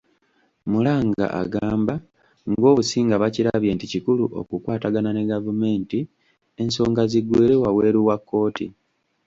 Muranga agamba ng'Obusinga bakirabye nti kikulu okukwatagana ne gavumenti ensonga ziggweere wabweru wa kkooti.